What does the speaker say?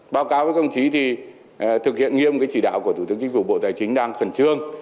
báo cáo với công chí thì thực hiện nghiêm cái chỉ đạo của thủ tướng chính phủ bộ tài chính đang khẩn trương